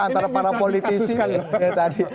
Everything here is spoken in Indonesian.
antara para politisi